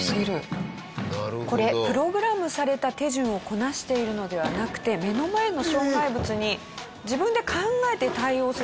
これプログラムされた手順をこなしているのではなくて目の前の障害物に自分で考えて対応する事ができるんだそうです。